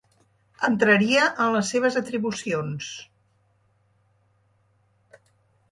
Entraria en les seves atribucions.